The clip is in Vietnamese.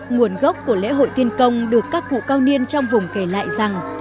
nguồn gốc của lễ hội tiên công được các cụ cao niên trong vùng kể lại rằng